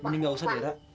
mending gak usah dera